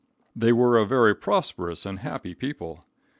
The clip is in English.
They were a very prosperous and happy people.